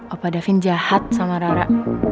apa davin jahat sama rara